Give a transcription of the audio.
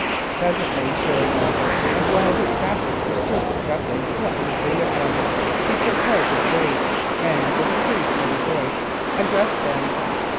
Presently, sure enough, and while his captors were still discussing what to do with him, he took heart of grace, and, with a pretty steady voice, addressed them.